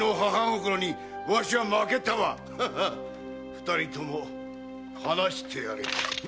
二人とも放してやれ。